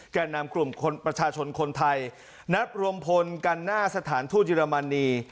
แก่นำกลุ่มประชาชนคนไทยนัดรวมพลกันหน้าสถานทูตเยอรมนี